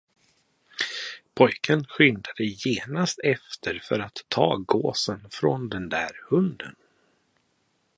Pojken skyndade genast efter för att ta gåsen från den där hunden.